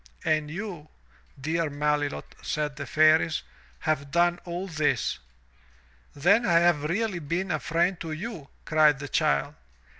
"And you, dear Melilot, said the Fairies, "have done all this. "Then I have really been a friend to you, cried the child.